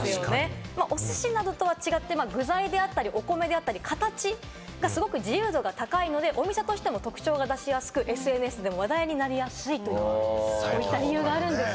おすしなどとは違って、具材であったりお米であったり形がすごく自由度が高いので、お店としても特徴が出しやすく、ＳＮＳでも話題になりやすいということです。